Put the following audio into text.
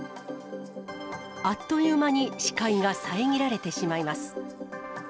あっという間に視界が遮られてしまいます。